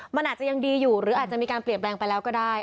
มันอาจจะยังดีอยู่หรืออาจจะมีการเปลี่ยนแปลงไปแล้วก็ได้